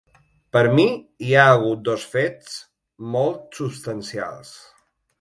Per mi hi ha hagut dos fets molt substancials.